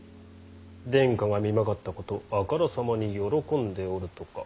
殿下が身まかったことあからさまに喜んでおるとか。